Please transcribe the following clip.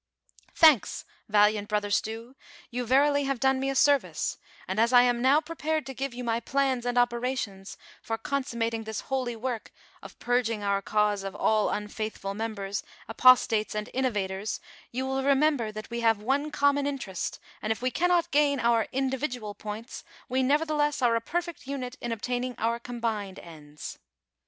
" Thanks, valiant brother Stew, you verily have done me a service, and as I am now prepared to give you my plans and operations for consummating tliis holy work of purging our cause of all unfaithful members, apostates and inno vators, you will remember, that we have one common in terest, and if we cannot gain our individual points, we aievertheless are a perfect unit in obtaining our combined ends.